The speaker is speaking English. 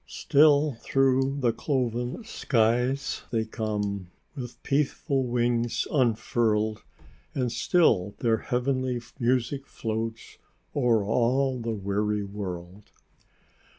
"Still through the cloven skies they come, With peaceful wings unfurled: And still their heavenly music floats O'er all the weary world."